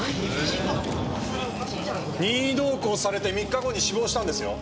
任意同行されて３日後に死亡したんですよ。